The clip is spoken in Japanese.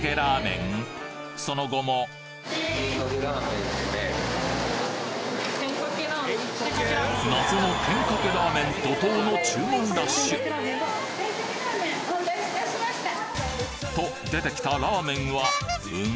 その後も謎のてんかけラーメン怒涛の注文ラッシュ！と出てきたラーメンはうん？